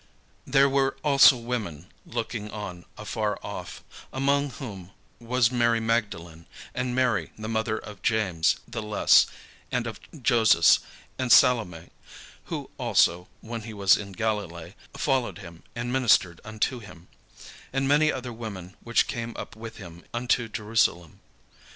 There were also women looking on afar off: among whom was Mary Magdalene, and Mary the mother of James the less and of Joses, and Salome; (who also, when he was in Galilee, followed him, and ministered unto him;) and many other women which came up with him unto Jerusalem.